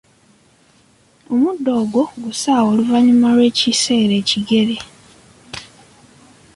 Omuddo ogwo gusaawe oluvanyuma lw‘ekiseera ekigere.